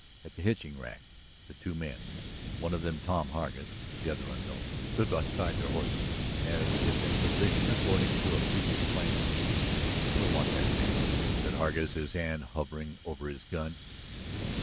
At the hitching rack the two men one of them Tom Hargus, the other unknown stood beside their horses, as if in position according to a previous plan. "We want that man," said Hargus, his hand hovering over his gun.